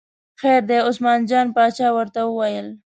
خیر دی، عثمان جان باچا ورته وویل.